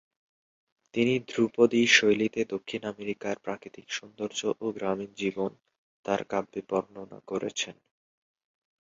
তিনি ধ্রুপদী শৈলীতে দক্ষিণ আমেরিকার প্রাকৃতিক সৌন্দর্য ও গ্রামীণ জীবন তার কাব্যে বর্ণনা করেছেন।